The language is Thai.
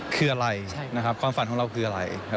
คืออะไรความฝันของเราคืออะไร